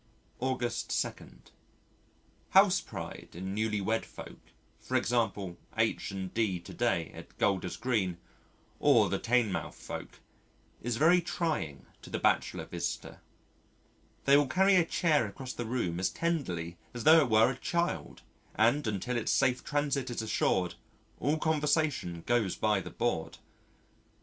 August 2. House pride in newly wed folk, for example, H. and D. to day at Golder's Green or the Teignmouth folk, is very trying to the bachelor visitor. They will carry a chair across the room as tenderly as tho' it were a child and until its safe transit is assured, all conversation goes by the board.